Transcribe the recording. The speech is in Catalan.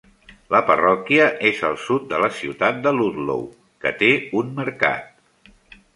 La parròquia és al sud de la ciutat de Ludlow, que té un mercat.